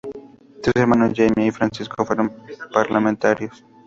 Sus hermanos Jaime y Francisco fueron parlamentarios.